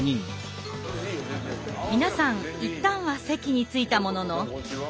皆さん一旦は席に着いたものの。